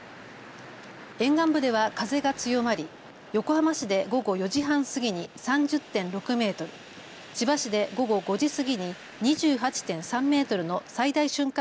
沿岸部では風が強まり横浜市で午後４時半過ぎに３０．６メートル、千葉市で午後５時過ぎに２８．３メートルの最大瞬間